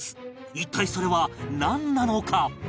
一体それはなんなのか？